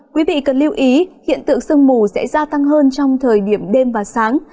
quý vị cần lưu ý hiện tượng sương mù sẽ gia tăng hơn trong thời điểm đêm và sáng